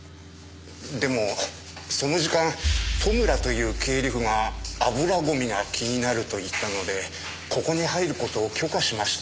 でもその時間戸村という経理夫が油ゴミが気になると言ったのでここに入ることを許可しました。